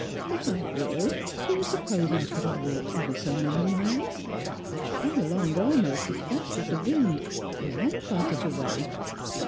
" If I were ill, do you suppose I could have walked ever so many miles ? and I came along almost as fast as the wind. I ran [)art of the way.